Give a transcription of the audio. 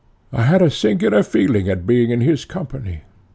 PHAEDO: I had a singular feeling at being in his company.